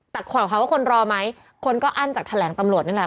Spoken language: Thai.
แต่ขอถามว่าคนรอไหมคนก็อั้นจากแถลงตำรวจนี่แหละ